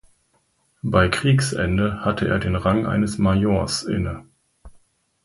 Bei Kriegsende hatte er den Rang eines Majors inne.